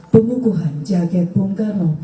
penyuguhan jaket bung karno